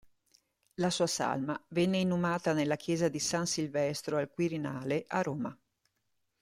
La sua salma venne inumata nella chiesa di San Silvestro al Quirinale a Roma.